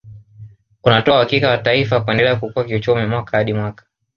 Unatoa uhakika wa taifa kuendelea kukua kiuchumi mwaka hadi mwaka